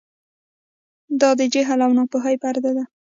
دا د جهل او ناپوهۍ پرده ده.